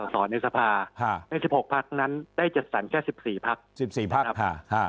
ที่มีเสาสอนในสภาใน๑๖พักนั้นได้จัดสรรแค่๑๔พัก